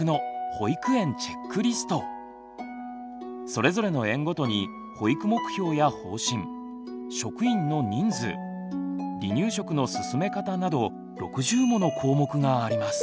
それぞれの園ごとに保育目標や方針職員の人数離乳食の進め方など６０もの項目があります。